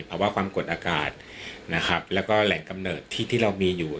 เพราะว่าความกดอากาศแล้วก็แหล่งกำเนิดที่เรามีอยู่